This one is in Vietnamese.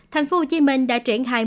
thành phố hồ chí minh đã triển khai